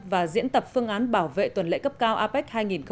và diễn tập phương án bảo vệ tuần lễ cấp cao apec hai nghìn một mươi bảy